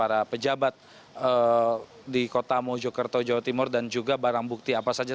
para pejabat di kota mojokerto jawa timur dan juga barang bukti apa saja